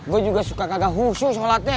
gue juga suka kagak khusus sholatnya